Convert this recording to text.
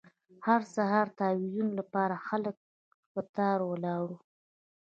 هر سهار د تاویزونو لپاره خلک کتار ولاړ وو.